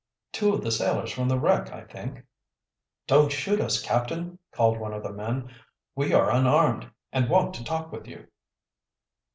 "Two of the sailors from the wreck, I think." "Don't shoot us, captain," called one of the men. "We are unarmed and want to talk with you."